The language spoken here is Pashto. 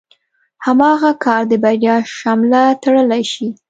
هماغه کار د بريا شمله تړلی شي.